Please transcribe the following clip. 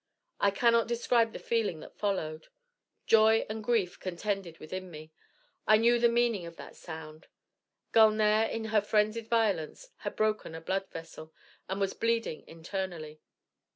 I cannot describe the feeling that followed. Joy and grief contended within me. I knew the meaning of that sound. Gulnare, in her frenzied violence, had broken a blood vessel, and was bleeding internally.